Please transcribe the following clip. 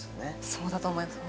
そうだと思います